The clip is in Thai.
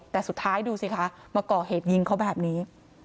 แต่สุดท้ายดูสิคะมาก่อเหตุยิงเขาแบบนี้